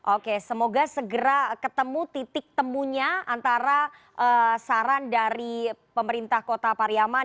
oke semoga segera ketemu titik temunya antara saran dari pemerintah kota pariaman